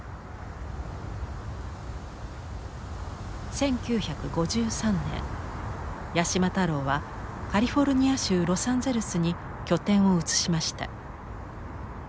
１９５３年八島太郎はカリフォルニア州ロサンゼルスに拠点を移しました。